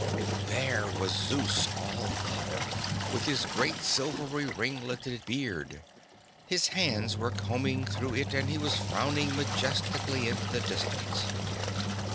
There was Zeus All Father, with his great, silvery, ringleted beard. His hands were combing through it and he was frowning majestically into the distance.